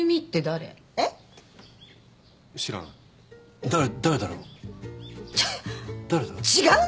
誰だろう？